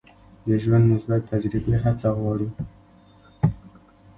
د ژوند مثبتې تجربې هڅه غواړي.